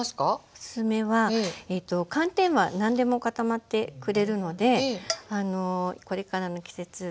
おすすめは寒天は何でも固まってくれるのでこれからの季節例えばイチジクとか。